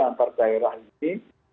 antara daerah ini